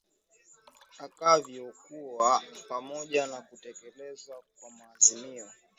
akavyo kuwa pamoja na kutekelezwa kwa maazimio